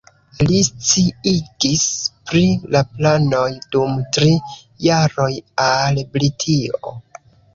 Li sciigis pri la planoj dum tri jaroj al Britio.